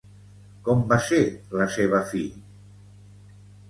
Com va ser la seva fi?